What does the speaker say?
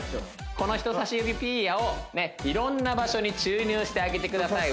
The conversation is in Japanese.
この人さし指ピーヤをねいろんな場所に注入してあげてください